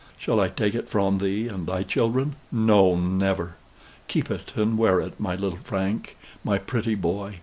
Shall I take it from thee and thy children? No, never! Keep it, and wear it, my little Frank, my pretty boy.